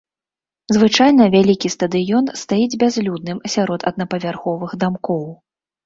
Звычайна вялікі стадыён стаіць бязлюдным сярод аднапавярховых дамкоў.